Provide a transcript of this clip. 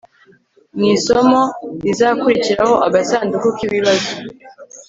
mu isomo rizakurikiraho agasanduku k'ibibazo